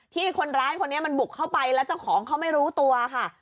ที่คนร้ายคนนี้มันบุกเข้าไปแล้วเจ้าของเขาไม่รู้ตัวค่ะ